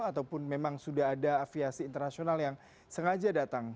ataupun memang sudah ada aviasi internasional yang sengaja datang